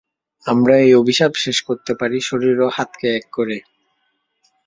আমরা এই অভিশাপ শেষ করতে পারি শরীর ও হাত কে এক করে।